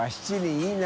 いいな。